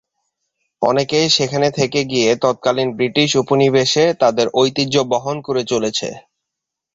অনেকেই সেখানে থেকে গিয়ে তৎকালীন ব্রিটিশ উপনিবেশে তাদের ঐতিহ্য বহন করে চলেছে।